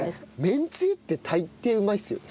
めんつゆって大抵うまいっすよね。